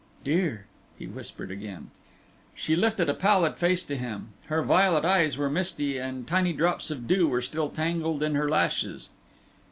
"Dear!" he whispered again. She lifted a pallid face to him. Her violet eyes were misty, and tiny drops of dew were still tangled in her lashes.